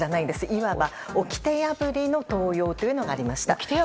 いわば、おきて破りの登用というのがありました。